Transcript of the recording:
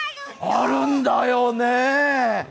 あるんだよね。